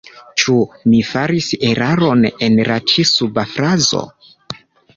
Ĉu mi faris eraron en la ĉi suba frazo?